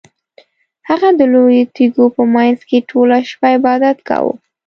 هغه د لویو تیږو په مینځ کې ټوله شپه عبادت کاوه.